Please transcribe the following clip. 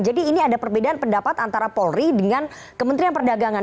jadi ini ada perbedaan pendapat antara polri dengan kementerian perdagangan